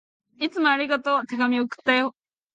いつもありがとう。手紙、送ったよ。